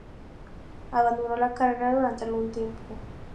Abandonó la carrera durante algún tiempo.